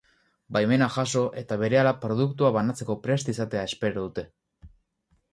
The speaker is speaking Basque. Baimena jaso eta berehala produktua banatzeko prest izatea espero dute.